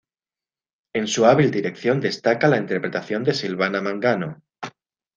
En su hábil dirección destaca la interpretación de Silvana Mangano.